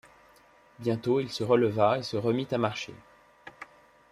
Bientôt il se releva et se remit à marcher.